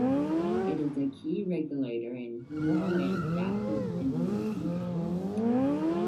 It is a key regulator in humoral and adaptive immunity.